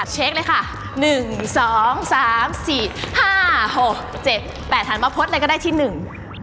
เช็คเลยค่ะหนึ่งสองสามสี่ห้าหกเจ็ดแปดหันมาพดเลยก็ได้ที่หนึ่ง